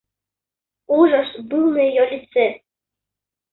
Ужас был на ее лице.